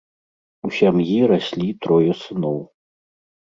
У сям'і раслі трое сыноў.